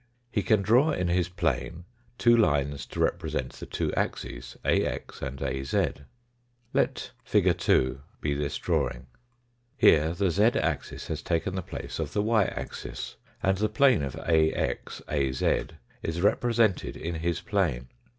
He can draw in his plane two lines to represent the two axes, Ax and AZ. Let Fig. 2 be this draw ing. Here the z axis has taken ^ 8 the place of the y axis, and the Fig. 2 (130). plane of AX AZ is represented in his plane.